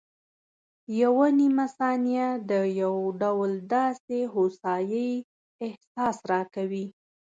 یوه نیمه ثانیه د یو ډول داسې هوسایي احساس راکوي.